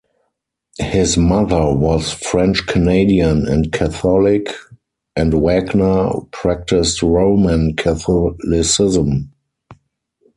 His mother was French-Canadian and Catholic, and Wagner practiced Roman Catholicism.